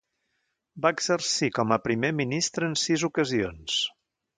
Va exercir com a Primer Ministre en sis ocasions.